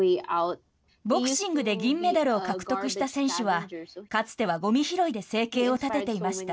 ボクシングで銀メダルを獲得した選手は、かつてはごみ拾いで生計を立てていました。